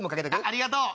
ありがとう！